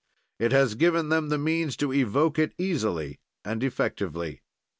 It has given them the means to evoke it easily and effectively.